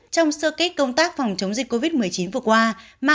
trong sơ kết công tác phòng chống dịch covid một mươi chín vừa qua